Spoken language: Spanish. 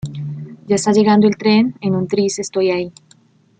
Ya está llegando el tren, en un tris estoy ahí